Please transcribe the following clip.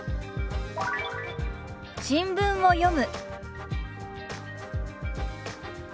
「新聞を読む」。